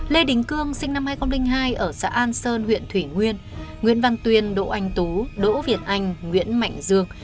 lê đình cương sinh năm hai nghìn hai ở xã an sơn huyện thủy nguyên nguyễn văn tuyên đỗ anh tú đỗ việt anh nguyễn mạnh dương